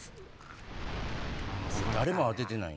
誰も当ててない。